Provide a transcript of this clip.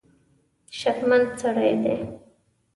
شکمن سړی دی.